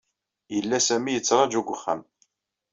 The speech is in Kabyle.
Yella Sami yettṛaju deg uxxam.